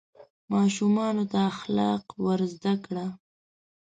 ماشومانو ته اخلاق ور زده کړه.